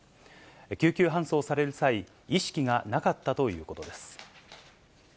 救急搬送される際、意識がなかったということです。